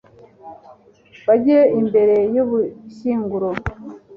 bajye imbere y'ubushyinguro